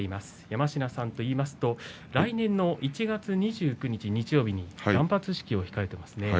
山科さんといいますと来年の１月２９日日曜日に断髪式を控えていますね。